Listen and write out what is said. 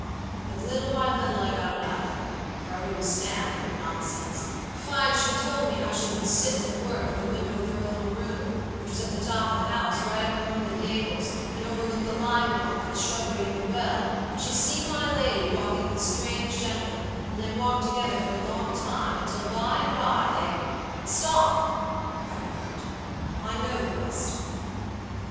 "But little by little I got it out of her, for I wouldn't stand no nonsense; find she told me how she'd been sittin' at work at the window of her little room, which was at the top of the house, right up in one of the gables, and overlooked the lime walk, and the shrubbery and the well, when she see my lady walking with a strange gentleman, and they walked together for a long time, until by and by they" "Stop!" cried Robert, "I know the rest."